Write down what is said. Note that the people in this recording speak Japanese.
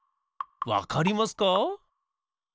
わかりますか？